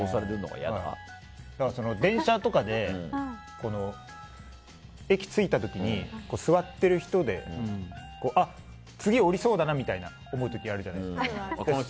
電車とかで駅着いた時に座ってる人で次、降りそうだなみたいに思う時あるじゃないですか。